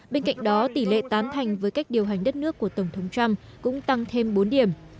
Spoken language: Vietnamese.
bên cạnh đó tỷ lệ tán thành với cách điều hành đất nước của tổng thống trump cũng tăng thêm bốn điểm